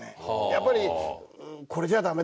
やっぱり。